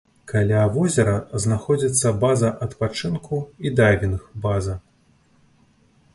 Каля возера знаходзіцца база адпачынку і дайвінг-база.